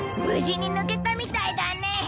無事に抜けたみたいだね。